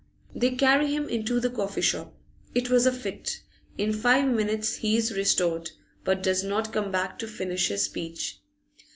They carry him into the coffee shop. It was a fit. In five minutes he is restored, but does not come back to finish his speech.